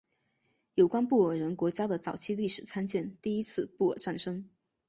有关布尔人国家的早期历史参见第一次布尔战争。